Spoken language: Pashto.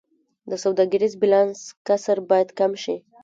د سوداګریز بیلانس کسر باید کم شي